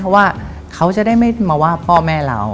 เพราะว่าเขาจะได้ไม่มาว่าพ่อแม่เรา